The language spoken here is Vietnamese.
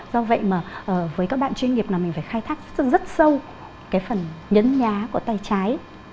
do vậy mà với các bạn chuyên nghiệp là mình phải khai thác rất sâu cái phần nhấn nhá của tay trái